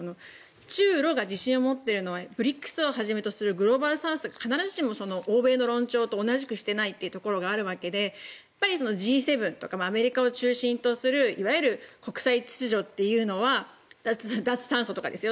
中ロが自信を持っているのはＢＲＩＣＳをはじめとするグローバルサウスが必ずしも欧米の論調と同じくしてないところがあるわけでＧ７とかアメリカを中心とする国際秩序というのは脱炭素とかですよ。